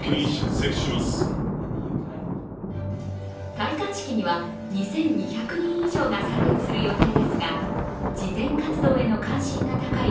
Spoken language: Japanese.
戴冠式には２２００人以上が参列する予定ですが、慈善活動への関心が高い